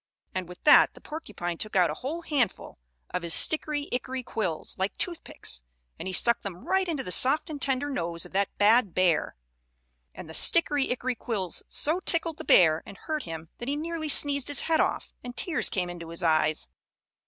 And with that the porcupine took out a whole handful of his stickery ickery quills, like toothpicks, and he stuck them right into the soft and tender nose of that bad bear. And the stickery ickery quills so tickled the bear and hurt him that he nearly sneezed his head off, and tears came into his eyes.